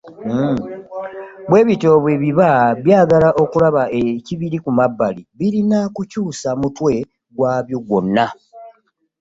Bwe bityo bwe biba byagala okulaba ekibiri ku mabbali birina kukyusa mutwe gwabyo gwonna.